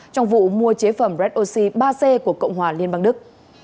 trong vụ mua chế phẩm red oxy ba c của cộng hòa liên bang đức